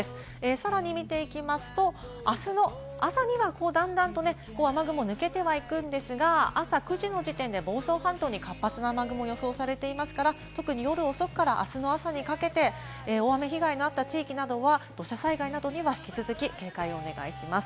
さらに見ていきますと、あすの朝には段々と雨雲が抜けていくんですが、あす９時の時点で、房総半島に活発な雨雲が予想されているので、夜遅くからあすの朝にかけて大雨被害があった地域などは土砂災害などには引き続き警戒をお願いします。